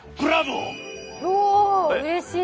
おうれしい。